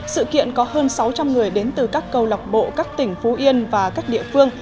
sự kiện có hơn sáu trăm linh người đến từ các câu lọc bộ các tỉnh phú yên và các địa phương